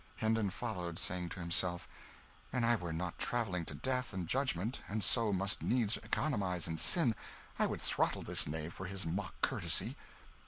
Hendon followed, saying to himself, "An' I were not travelling to death and judgment, and so must needs economise in sin, I would throttle this knave for his mock courtesy."